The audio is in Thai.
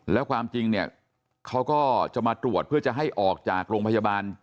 แล้วความจริงเนี่ยเขาก็จะมาตรวจเพื่อจะให้ออกจากโรงพยาบาล